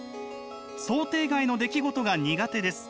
「想定外の出来事が苦手です。